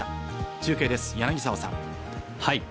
中継です、柳沢さん。